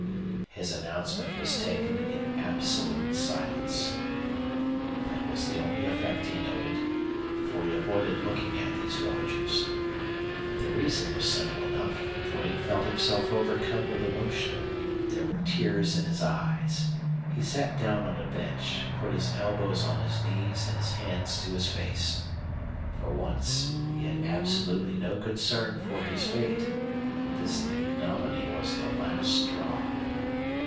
His announcement was taken in absolute silence. That was the only effect he noted, for he avoided looking at these villagers. The reason was simple enough; Duane felt himself overcome with emotion. There were tears in his eyes. He sat down on a bench, put his elbows on his knees and his hands to his face. For once he had absolutely no concern for his fate. This ignominy was the last straw.